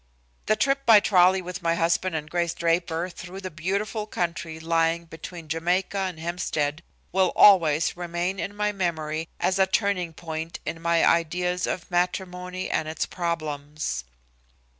The trip by trolley with my husband and Grace Draper through the beautiful country lying between Jamaica and Hempstead will always remain in my memory as a turning point in my ideas of matrimony and its problems.